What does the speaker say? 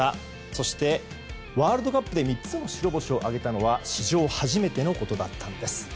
そして、ワールドカップで３つの白星を挙げたのは史上初めてのことだったんです。